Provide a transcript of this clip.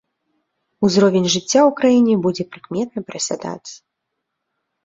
Узровень жыцця ў краіне будзе прыкметна прасядаць.